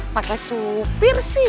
pakai supir sih